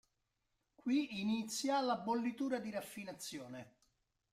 Qui inizia la bollitura di raffinazione.